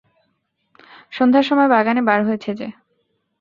সন্ধ্যার সময় বাগানে বার হয়েছে যে!